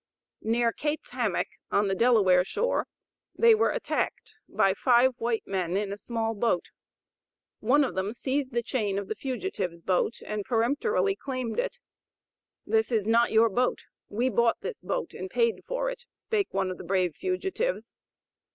Near Kate's Hammock, on the Delaware shore, they were attacked by five white men in a small boat. One of them seized the chain of the fugitives' boat, and peremptorily claimed it. "This is not your boat, we bought this boat and paid for it," spake one of the brave fugitives.